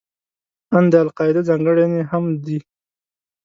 ان دا د القاعده ځانګړنې هم دي.